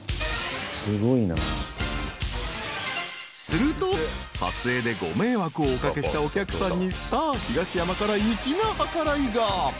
［すると撮影でご迷惑をお掛けしたお客さんにスター東山から粋な計らいが］